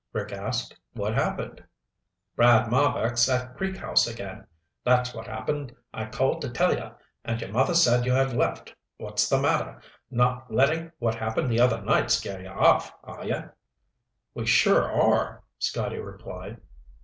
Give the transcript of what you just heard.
Rick asked. "What happened?" "Brad Marbek's at Creek House again. That's what happened. I called to tell you, and your mother said you had left. What's the matter? Not letting what happened the other night scare you off, are you?" "We sure are," Scotty replied.